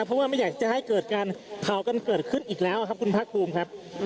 เพราะว่าไม่อยากจะให้เกิดการเผากันเกิดขึ้นอีกแล้วครับคุณภาคภูมิครับ